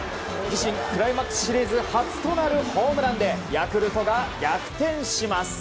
自身クライマックスシリーズ初となるホームランでヤクルトが逆転します。